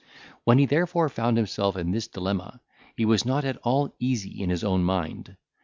When he therefore found himself in this dilemma, he was not at all easy in his own mind.